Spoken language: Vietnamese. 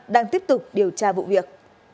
đang tiếp tục điều tra vụ việc